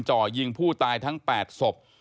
จ่อยิงผู้ตายทั้ง๘ศพ